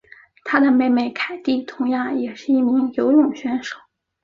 她的妹妹凯蒂同样也是一名游泳选手。